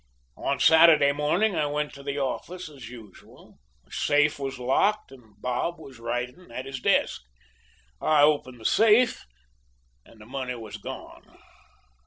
On Saturday morning I went to the office as usual. The safe was locked, and Bob was writing at his desk. I opened the safe, and the money was gone.